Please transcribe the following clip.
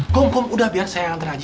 kom kom udah biar saya yang antar aja